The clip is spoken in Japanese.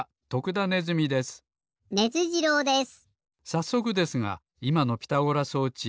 さっそくですがいまのピタゴラ装置